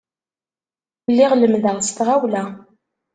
Lliɣ lemmdeɣ s tɣawla.